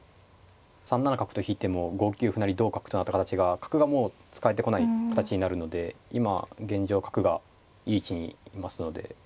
３七角と引いても５九歩成同角となった形が角がもう使えてこない形になるので今現状角がいい位置にいますので。